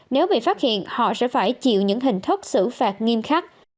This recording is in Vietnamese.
nếu bị phát hiện họ sẽ phải chịu những hình thức xử phạt nghiêm khắc